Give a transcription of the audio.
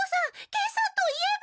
今朝といえば。